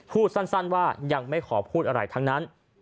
พูดสั้นว่ายังไม่ขอพูดอะไรทั้งนั้น